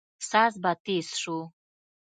ساز به تېز سو.